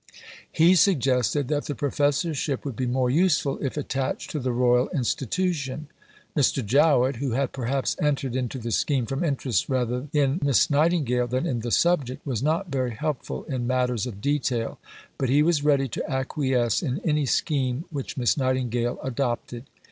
He suggested that the Professorship would be more useful if attached to the Royal Institution. Mr. Jowett, who had perhaps entered into the scheme from interest rather in Miss Nightingale than in the subject, was not very helpful in matters of detail, but he was ready to acquiesce in any scheme which Miss Nightingale adopted.